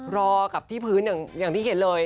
รอกับที่พื้นอย่างที่เห็นเลย